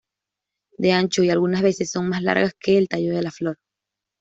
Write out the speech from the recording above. De ancho y algunas veces son más largas que el tallo de la flor.